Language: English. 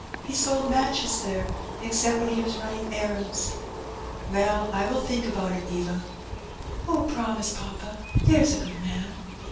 He sold matches there, except when he was running errands." " Well, I wiU think about it, Eva." "Oh, promise, papa, there's a good man."